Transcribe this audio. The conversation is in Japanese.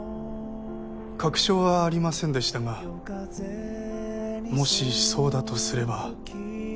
確証はありませんでしたがもしそうだとすれば。